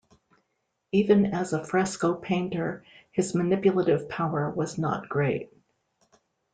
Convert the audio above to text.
Even as a fresco painter his manipulative power was not great.